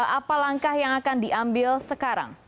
apa langkah yang akan diambil sekarang